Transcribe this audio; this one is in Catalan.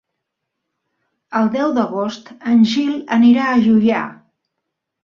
El deu d'agost en Gil anirà a Juià.